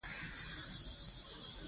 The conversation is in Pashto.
اوښ د افغانستان یوه طبیعي ځانګړتیا ده.